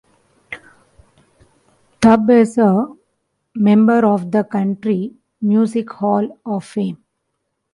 Tubb is a member of the Country Music Hall of Fame.